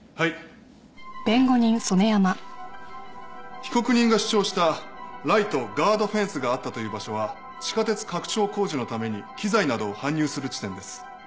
被告人が主張したライトガードフェンスがあったという場所は地下鉄拡張工事のために機材などを搬入する地点です。